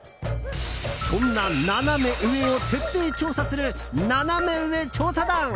そんなナナメ上を徹底調査するナナメ上調査団。